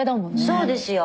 そうですよ。